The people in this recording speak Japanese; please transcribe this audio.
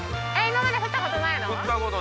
今まで降ったことないの？